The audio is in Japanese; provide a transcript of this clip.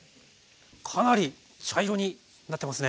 かなり茶色になってますね。